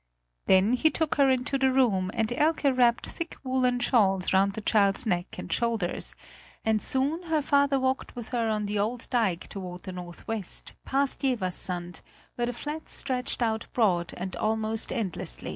Then he took her into the room and Elke wrapped thick woolen shawls round the child's neck and shoulders; and soon her father walked with her on the old dike toward the northwest, past Jeverssand, where the flats stretched out broad and almost endless.